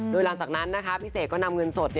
โดยหลังจากนั้นนะคะพี่เสกก็นำเงินสด